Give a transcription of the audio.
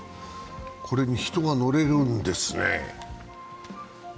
これに人が乗れるんですね。